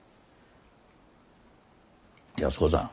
安子さん。